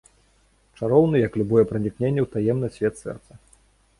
Чароўны, як любое пранікненне ў таемны свет сэрца.